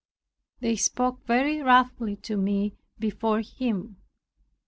They spoke very roughly to me before him.